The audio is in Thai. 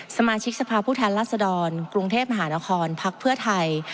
สมาชิกสภาพผู้แทนรัศดรกรุงเทพมหานครพักเพื่อไทย